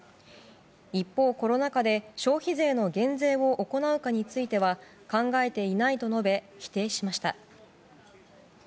一方、コロナ禍で消費税の減税を行うかについては考えていないと述べ否定しました。